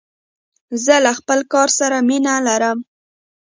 زه له خپل کار سره مینه لرم.